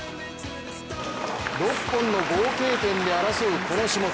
６本の合計点で争うこの種目。